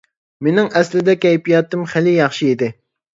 مىنىڭ ئەسلىدە كەيپىياتىم خېلى ياخشى ئىدى.